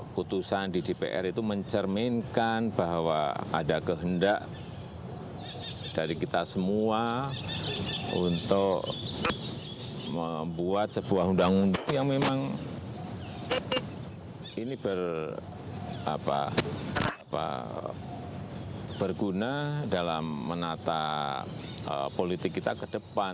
putusan di dpr itu mencerminkan bahwa ada kehendak dari kita semua untuk membuat sebuah undang undang yang memang ini berguna dalam menata politik kita ke depan